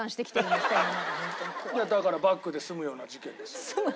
いやだからバッグで済むような事件ですよ。